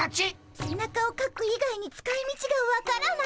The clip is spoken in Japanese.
背中をかく以外に使いみちが分からない。